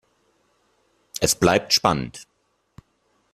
Es bleibt spannend.